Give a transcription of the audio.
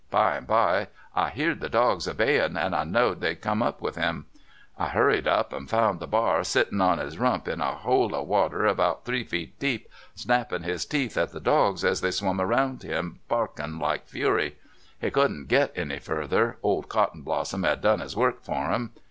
By and by I heerd the dogs a bayin', and I know'd they 'd come up with him. I hurried up, and found the bar sittin' on his rump in a hole of water about three feet deep, snappin' his teeth at the dogs as they swum around him, barkin' like fury. He could n't git any further — old Cottonblossom had done his work for him.